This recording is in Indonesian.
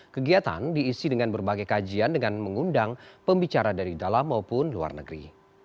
kegiatan diisi dengan berbagai kajian dengan mengundang pembicara dari dalam maupun luar negeri